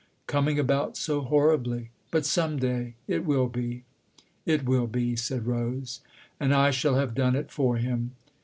"Coming about so horribly. But some day it will be." "It will be," said Rose. "And I shall have done it for him.